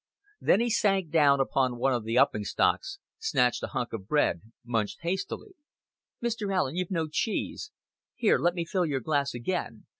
Then he sank down upon one of the upping stocks, snatched a hunk of bread, munched hastily. "Mr. Allen, you've no cheese. Here, let me fill your glass again.